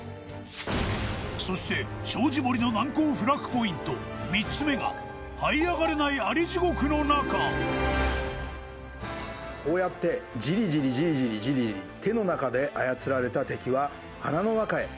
そして障子堀の難攻不落ポイント３つ目が這い上がれない蟻地獄の中望月さん：こうやってジリジリ、ジリジリ、ジリジリ手の中で操られた敵は穴の中へ。